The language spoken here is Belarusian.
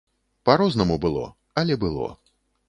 Па-рознаму было, але было.